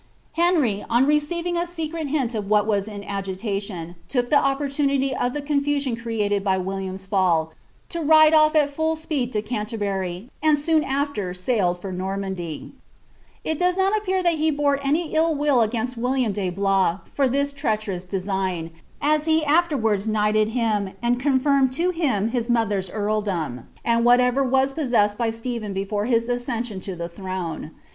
Henry, on n> 'Vila Gau&edi de NoimondL *Spee>:t. MATILDA OF BOULOGNE. 165 eeiTioi^ a secret hint of what was in agitation, took the opponnnity of the coofusion created by William's fall, to ride off at full speed to Can terbury, and soon after sailed for Normandy. It does not appear that he bore any ill will against William de Blois for this treacherous design, as he aifVerwards knighted him, and con firmed to him hia mother's earldom, and whaterer was possessed by Stephen before his accession to the throne.